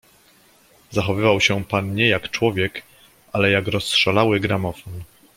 "Zachowywał się pan nie jak człowiek, ale jak rozszalały gramofon."